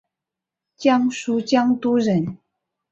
江苏江都人。